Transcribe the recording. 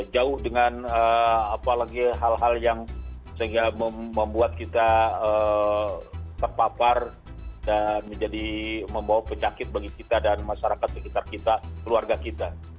jauh dengan apalagi hal hal yang sehingga membuat kita terpapar dan menjadi membawa penyakit bagi kita dan masyarakat sekitar kita keluarga kita